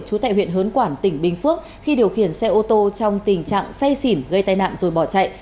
trú tại huyện hớn quản tỉnh bình phước khi điều khiển xe ô tô trong tình trạng say xỉn gây tai nạn rồi bỏ chạy